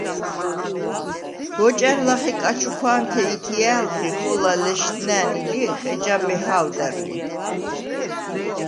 გოჭა̈რ ლახე კაჩუქვა̄ნთე ითჲა̄̈ლხ ი ხოლა ლეშდნა̄̈ნი ლიხ, ეჯა მეჰა̄ვდარ ლი.